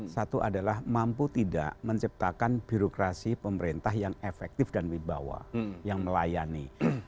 satu adalah mampu tidak menciptakan birokrasi pemerintah yang efektif dan wibawa yang melayani